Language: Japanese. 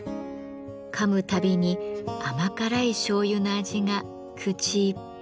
かむたびに甘辛いしょうゆの味が口いっぱい広がります。